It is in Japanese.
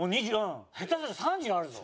下手したら３０あるぞ。